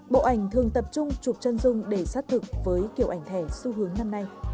bộ ảnh thường tập trung chụp chân dung để xác thực với kiểu ảnh thẻ xu hướng năm nay